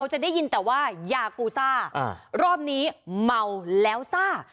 จะได้ยินแต่ว่ายากูซ่ารอบนี้เมาแล้วซ่า